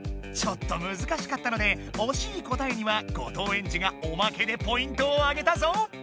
ちょっとむずかしかったのでおしい答えには後藤エンジがおまけでポイントをあげたぞ！